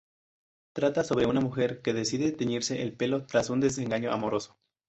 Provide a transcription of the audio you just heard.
Trata sobre una mujer que decide teñirse el pelo tras un desengaño amoroso.